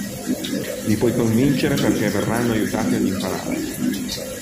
Li può convincere perché verranno aiutati ad imparare.